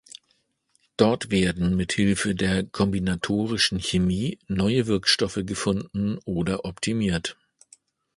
Dort werden mit Hilfe der kombinatorischen Chemie neue Wirkstoffe gefunden oder optimiert.